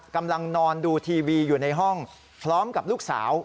กำลังนอนดูทีวีอยู่ในห้องพร้อมกับลูกสาว